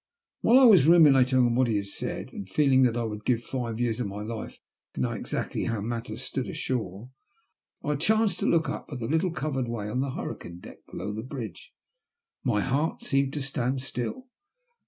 While I was ruminating on what he had said, and feeling that I would give five years of my life to know exactly how matters stood ashore, I chanced to look up at the little covered way on the hurricane deck below the bridge. My heart seemed to stand still.